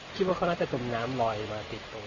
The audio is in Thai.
คิดว่าเขาน่าจะตรงน้ำลอยมาติดตรงนี้กัน